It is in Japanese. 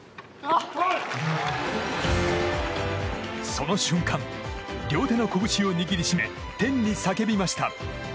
その瞬間両手のこぶしを握り締め天に叫びました。